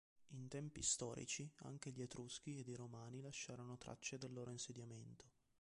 In tempi storici, anche gli etruschi ed i romani lasciarono tracce del loro insediamento.